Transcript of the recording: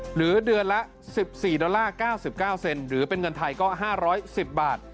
หรือเดือนละ๑๔๙๙หรือเป็นเงินไทยก็๕๑๐บาท